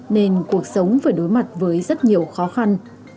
nên cuộc sống phải đối mặt với rất nhiều khó khăn